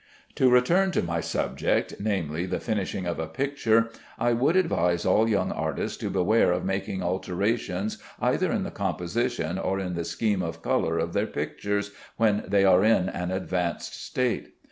To return to my subject, namely, the finishing of a picture. I would advise all young artists to beware of making alterations either in the composition or in the scheme of color of their pictures, when they are in an advanced state.